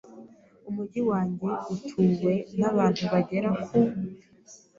Umujyi wanjye utuwe nabantu bagera ku ..